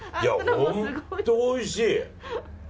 本当、おいしい！